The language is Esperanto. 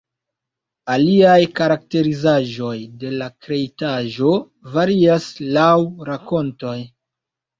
Aliaj karakterizaĵoj de la kreitaĵo varias laŭ rakontoj.